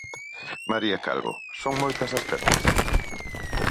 María Calvo, son moitas as perdas?